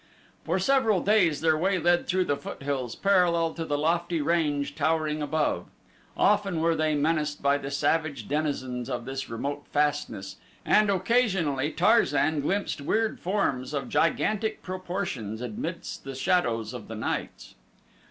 For several days their way led through the foothills parallel to the lofty range towering above. Often were they menaced by the savage denizens of this remote fastness, and occasionally Tarzan glimpsed weird forms of gigantic proportions amidst the shadows of the nights.